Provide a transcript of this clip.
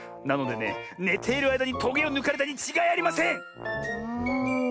なのでねねているあいだにトゲをぬかれたにちがいありません！